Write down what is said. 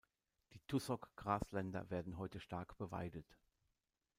Die Tussock-Grasländer werden heute stark beweidet.